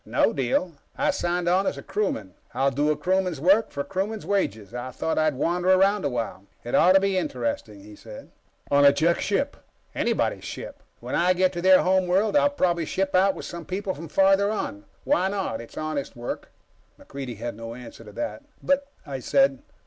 "No deal. I signed on as a crewman. I'll do a crewman's work for a crewman's wages. I thought I'd wander around a while. It ought to be interesting," he said. "On a Jek ship." "Anybody's ship. When I get to their home world, I'll probably ship out with some people from farther on. Why not? It's honest work." MacReidie had no answer to that. "But " I said.